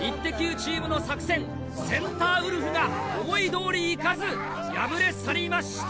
チームの作戦センターウルフが思いどおりいかず敗れ去りました。